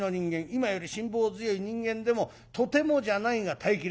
今より辛抱強い人間でもとてもじゃないが耐えきれない。